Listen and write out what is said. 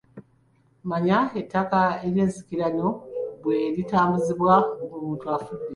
Manya ettaka eryensikirano bwe litambuzibwa ng'omuntu afudde.